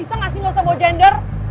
bisa gak sih gak usah bojender